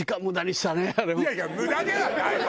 いやいや無駄ではないわよ。